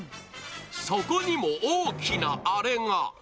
そこにも大きなあれが。